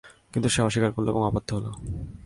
কিন্তু সে অস্বীকার করল এবং অবাধ্য হল।